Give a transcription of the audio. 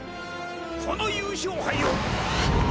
この優勝杯を！